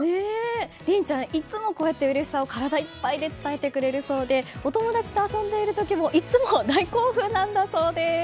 凛ちゃん、いつもうれしさを体いっぱいで伝えてくれるそうでお友達と遊んでいる時もいつも大興奮なんだそうです。